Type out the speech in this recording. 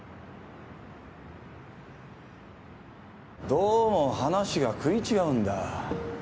どうも話が食い違うんだ。